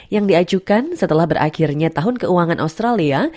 yang diajukan setelah berakhirnya tahun keuangan australia